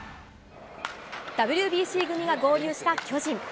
ＷＢＣ組が合流した巨人。